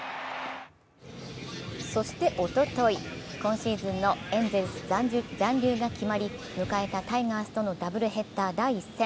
そしておととい、今シーズンのエンゼルス残留が決まり迎えたタイガースとのダブルヘッダー第１戦。